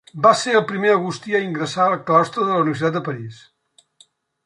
Va ser el primer agustí a ingressar al claustre de la Universitat de París.